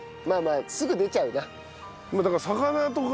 まあまあすぐ出ちゃうな。